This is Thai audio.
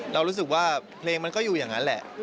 เรารู้สึกว่าเพลงมันก็อยู่อย่างนั้นแหละ